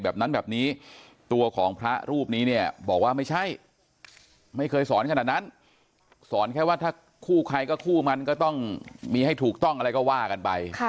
แบบนั้นแบบนี้ตัวของพระรูปนี้เนี่ยบอกว่าไม่ใช่ไม่เคยสอนขนาดนั้นสอนแค่ว่าถ้าคู่ใครก็คู่มันก็ต้องมีให้ถูกต้องอะไรก็ว่ากันไป